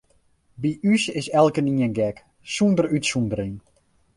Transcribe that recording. By ús is elkenien gek, sûnder útsûndering.